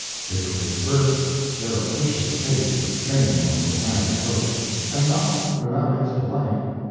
It was his first surreptitious taste of fame on the Atlantic coast, and not without its delight.